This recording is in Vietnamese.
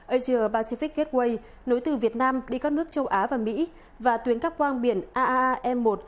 asia pacific gateway nối từ việt nam đi các nước châu á và mỹ và tuyến cắp quang biển aae một